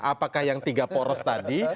apakah yang tiga poros tadi